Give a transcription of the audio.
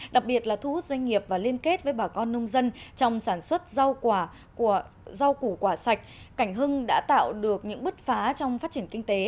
đặc biệt là thu hút doanh nghiệp và liên kết với bà con nông dân trong sản xuất rau quả của rau củ quả sạch cảnh hưng đã tạo được những bứt phá trong phát triển kinh tế